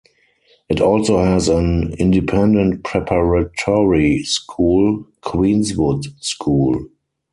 It also has an independent preparatory school; Queenswood School.